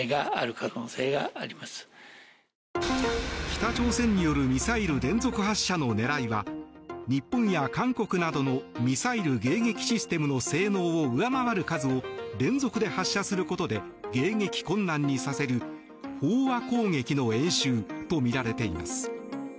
北朝鮮によるミサイル連続発射の狙いは日本や韓国などのミサイル迎撃システムの性能を上回る数を連続で発射することで迎撃困難にさせる飽和攻撃の演習とみられています。